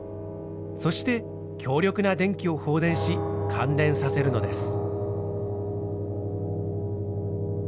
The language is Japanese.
そして強力な電気を放電し感電させるのです。